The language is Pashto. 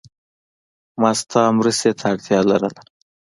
ما ستا مرستی ته اړتیا لرله.